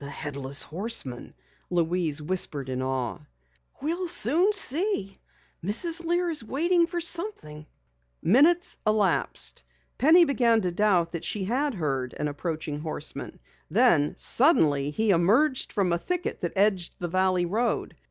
"The Headless Horseman!" Louise whispered in awe. "We'll soon see. Mrs. Lear is waiting for something!" Minutes elapsed. Penny began to doubt that she had heard an approaching horseman. Then suddenly he emerged from a thicket that edged the valley road.